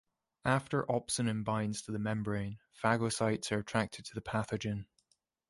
After opsonin binds to the membrane, phagocytes are attracted to the pathogen.